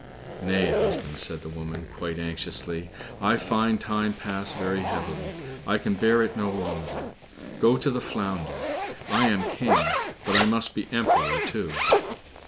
"Nay, husband," said the woman, quite anxiously, "I find time pass very heavily, I can bear it no longer; go to the Flounder—I am King, but I must be Emperor, too."